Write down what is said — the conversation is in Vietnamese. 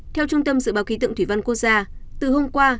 theo trung tâm dự báo khí tượng thủy văn quốc gia từ hôm qua